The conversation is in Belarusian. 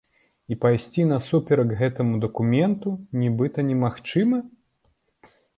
І пайсці насуперак гэтаму дакументу нібыта немагчыма?